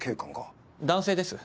男性です。